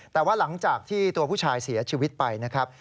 แต่ว่าหลังจากที่ตัวผู้ชายเสียชีวิตไปนะครับ